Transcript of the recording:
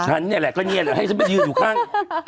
ฉันนี่แหละก็เงียบให้ฉันไปยื่นอยู่ข้าง